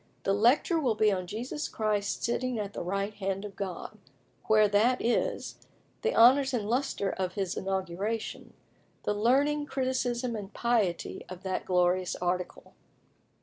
"The lecture will be on Jesus Christ's sitting at the right hand of God; where that is; the honours and lustre of his inauguration; the learning, criticism, and piety of that glorious article.